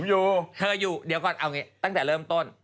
แนลดิฉันน่ะเขานางอยู่เธออยู่เดี๋ยวก่อนเอาอย่างนี้ตั้งแต่เริ่มต้น